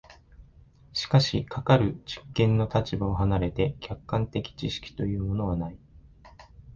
しかしかかる実験の立場を離れて客観的知識というものはない。